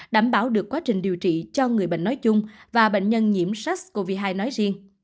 đảm bảo được quá trình điều trị cho người bệnh nói chung và bệnh nhân nhiễm sars cov hai nói riêng